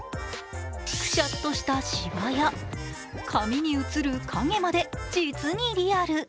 くしゃっとしたしわや紙に映る影まで実にリアル。